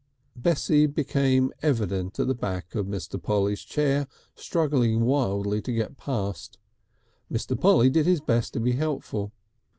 Bessie became evident at the back of Mr. Polly's chair, struggling wildly to get past. Mr. Polly did his best to be helpful.